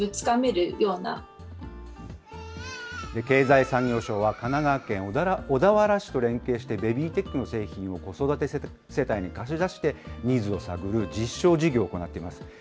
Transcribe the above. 経済産業省は神奈川県小田原市と連携して、ベビーテックの製品を子育て世帯に貸し出して、ニーズを探る実証事業を行っています。